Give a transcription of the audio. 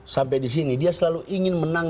sampai di sini dia selalu ingin menang